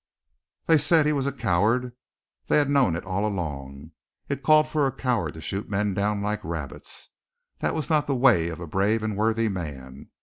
They said he was a coward; they had known it all along. It called for a coward to shoot men down like rabbits. That was not the way of a brave and worthy man.